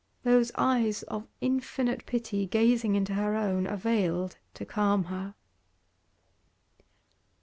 Those eyes of infinite pity gazing into her own availed to calm her.